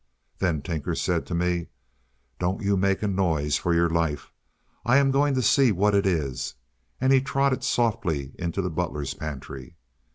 Then Tinker said to me "Don't you make a noise, for your life; I am going to see what it is;" and he trotted softly into the butler's pantry.